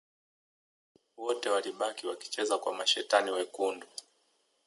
Wote walibaki wakicheza kwa mashetrani wekundu